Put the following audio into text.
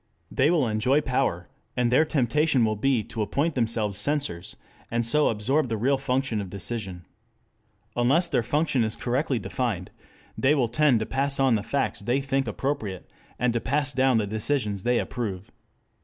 They will enjoy power, and their temptation will be to appoint themselves censors, and so absorb the real function of decision. Unless their function is correctly defined they will tend to pass on the facts they think appropriate, and to pass down the decisions they approve.